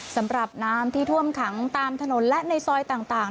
สำหรับน้ำที่ท่วมขังตามถนนและในซอยต่าง